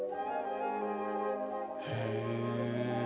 へえ。